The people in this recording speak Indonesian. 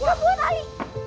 nggak buat ali